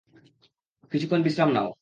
কিছুক্ষণ বিশ্রাম নাও।